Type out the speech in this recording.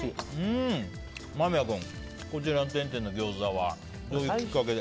間宮君、点天のギョーザはどういうきっかけで？